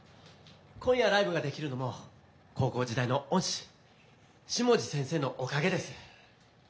今夜ライブができるのも高校時代の恩師下地先生のおかげです。